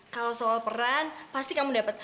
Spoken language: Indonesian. kalau soal peran pasti kamu dapat